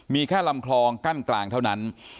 มีแค่ลำคลองกั้นกลางเท่านั้น